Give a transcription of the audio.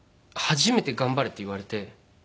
初めて「頑張れ」って言われて。